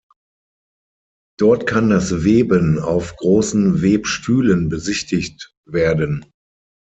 Dort kann das Weben auf großen Webstühlen besichtigt werden.